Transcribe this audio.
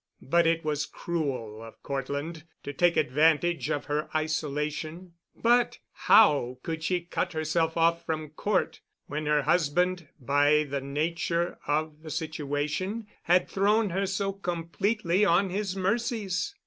But it was cruel of Cortland to take advantage of her isolation, but how could she cut herself off from Cort, when her husband, by the nature of the situation, had thrown her so completely on his mercies?